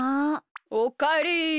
おかえり。